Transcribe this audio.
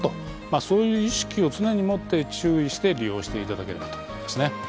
まあそういう意識を常に持って注意して利用していただければと思いますね。